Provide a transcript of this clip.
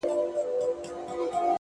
سترگي دي ژوند نه اخلي مرگ اخلي اوس ـ